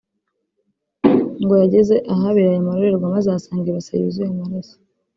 ngo yageze ahabereye aya marorerwa maze ahasanga ibase yuzuye amaraso